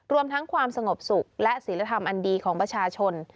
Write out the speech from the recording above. รวมทั้งความสงบสุขและศิลธรรมอันดีของประชาชน